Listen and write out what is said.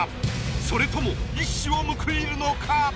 それとも一矢を報いるのか？